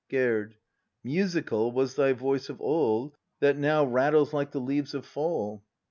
Gerd. Musical Was thy voice of old, that now Rattles like the leaves of Fall.